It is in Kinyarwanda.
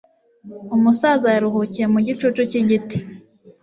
umusaza yaruhukiye mu gicucu cyigiti